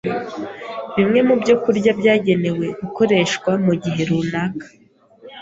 Bimwe mu byokurya byagenewe gukoreshwa mu gihe runaka